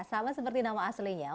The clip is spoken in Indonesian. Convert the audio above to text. sama seperti nama aslinya